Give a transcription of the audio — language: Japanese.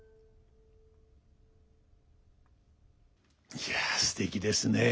いやすてきですね。